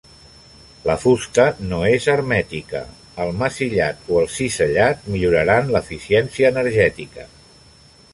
La fusta no és hermètica, el massillat o el cisellat milloraran l'eficiència energètica.